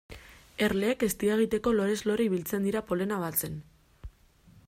Erleek eztia egiteko lorez lore ibiltzen dira polena batzen.